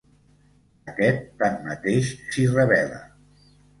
Aquest, tanmateix, s'hi rebel·la.